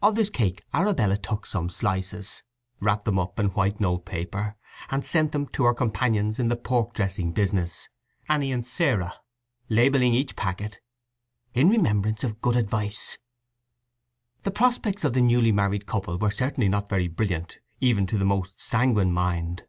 Of this cake Arabella took some slices, wrapped them up in white note paper, and sent them to her companions in the pork dressing business, Anny and Sarah, labelling each packet "In remembrance of good advice." The prospects of the newly married couple were certainly not very brilliant even to the most sanguine mind.